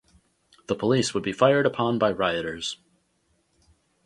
The police would be fired upon by rioters.